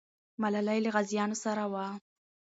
ملالۍ له غازیانو سره وه.